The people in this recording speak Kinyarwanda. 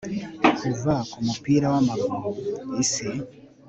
kuva kumupira wamaguru. isi